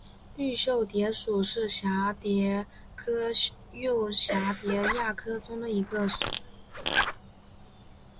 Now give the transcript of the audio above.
绿袖蝶属是蛱蝶科釉蛱蝶亚科中的一个属。